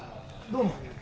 どうも。